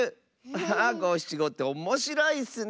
アハごしちごっておもしろいッスね。